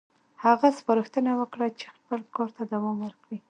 هغه سپارښتنه وکړه چې خپل کار ته دوام ورکړي.